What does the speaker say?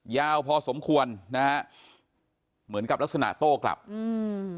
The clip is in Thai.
ยาวพอสมควรนะฮะเหมือนกับลักษณะโต้กลับอืม